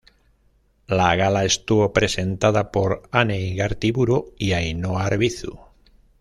La gala estuvo presentada por Anne Igartiburu y Ainhoa Arbizu.